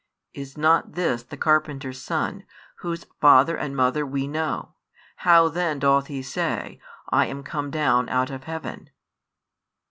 Is not this the carpenter's Son, Whose father and mother we know? How then doth He say, I am come down out of heaven?